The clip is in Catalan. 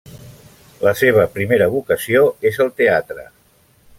La seva primera vocació és el teatre.